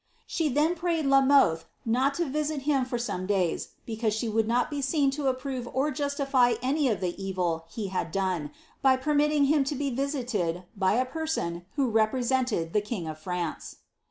She then prayed La Mothe not to visit him for some days, because she would not be seen to approve or jnstify any of the evil he had done, by permitting him to be visited by a person who represented the king of France.